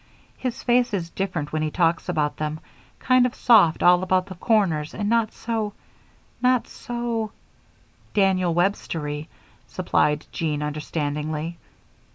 His face is different when he talks about them, kind of soft all about the corners and not so not so " "Daniel Webstery," supplied Jean, understandingly.